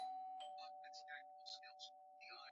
Kumi na sita Uislamu wa Kishia ulitangaziwa kuwa dini rasmi